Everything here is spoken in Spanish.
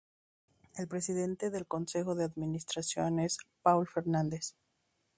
El presidente del Consejo de Administración es Paul Fernandes.